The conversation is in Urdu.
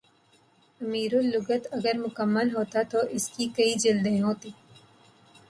امیر اللغات اگر مکمل ہوتا تو اس کی کئی جلدیں ہوتیں